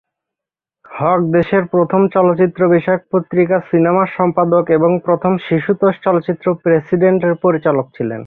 হক দেশের প্রথম চলচ্চিত্র বিষয়ক পত্রিকা ‘সিনেমা’র সম্পাদক এবং প্রথম শিশুতোষ চলচ্চিত্র ‘প্রেসিডেন্ট’-এর পরিচালক ছিলেন।